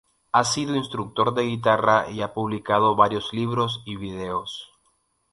Ha sido instructor de guitarra y ha publicado varios libros y videos.